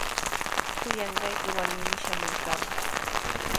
Kuyanqayki warmimi shamuykaamun.